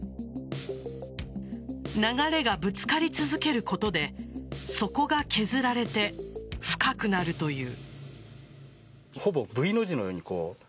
流れがぶつかり続けることで底が削られて深くなるという。